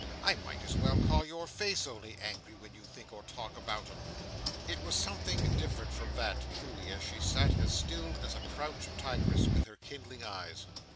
"I might as well call your face only angry, when you think or talk about 'em." It was something different from that, truly, as she sat as still as a crouched tigress, with her kindling eyes.